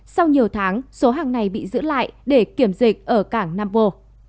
sau nhiều tháng số hàng này bị giữ lại để kiểm dịch ở cảng nam vô